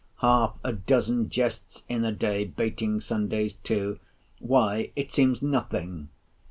Half a dozen jests in a day (bating Sundays too), why, it seems nothing!